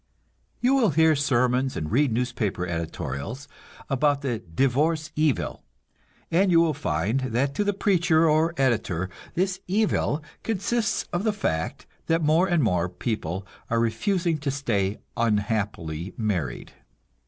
You will hear sermons and read newspaper editorials about the "divorce evil," and you will find that to the preacher or editor this "evil" consists of the fact that more and more people are refusing to stay unhappily married.